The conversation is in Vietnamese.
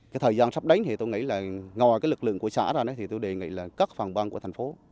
cái thời gian sắp đến thì tôi nghĩ là ngò cái lực lượng của xã ra thì tôi đề nghị là cắt phòng băng của thành phố